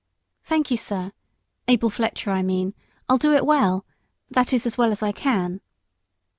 "Thank you, sir Abel Fletcher, I mean I'll do it well. That is, as well as I can."